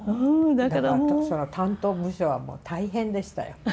だからその担当部署はもう大変でしたよ。